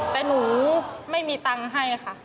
แต่หนูไม่มีตังค์ให้ค่ะ